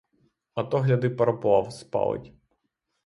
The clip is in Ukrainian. А то, гляди, пароплав спалить.